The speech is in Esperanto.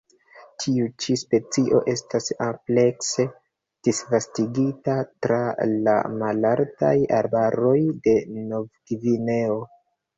Tiu ĉi specio estas amplekse disvastigita tra la malaltaj arbaroj de Novgvineo.